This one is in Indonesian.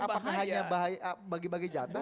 apakah hanya bagi bagi jatah